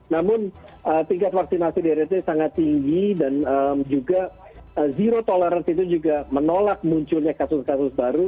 namun tingkat vaksinasi di rt sangat tinggi dan juga zero tolerance itu juga menolak munculnya kasus kasus baru